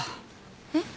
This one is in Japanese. えっ？